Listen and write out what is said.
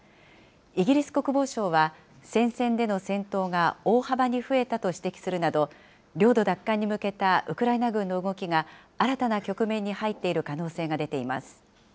イギリス国防省は、戦線での戦闘が大幅に増えたと指摘するなど、領土奪還に向けたウクライナ軍の動きが、新たな局面に入っている可能性が出ています。